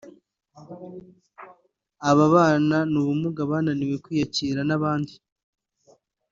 ababana n’ubumuga bananiwe kwiyakira n’abandi